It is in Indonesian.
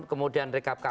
kemudian rekap kpu